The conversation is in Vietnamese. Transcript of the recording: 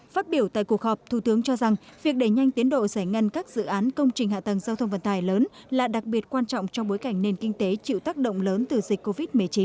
phát biểu tại cuộc họp thủ tướng cho rằng việc đẩy nhanh tiến độ giải ngân các dự án công trình hạ tầng giao thông vận tải lớn là đặc biệt quan trọng trong bối cảnh nền kinh tế chịu tác động lớn từ dịch covid một mươi chín